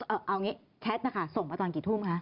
เอาอย่างนี้แคทนะคะส่งมาตอนกี่ทุ่มคะ